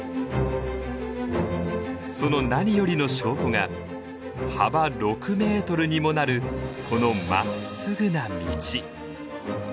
その何よりの証拠が幅６メートルにもなるこのまっすぐな道。